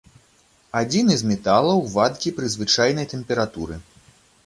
Адзіны з металаў, вадкі пры звычайнай тэмпературы.